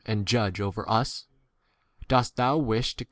s and judge over us ? Dost thou wish y T.